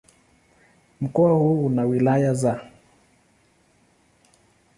Mkoa huu una wilaya za